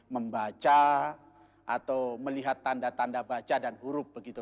membaca atau melihat tanda tanda baca dan huruf begitu